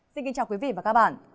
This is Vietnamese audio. xin kính chào quý vị và các bạn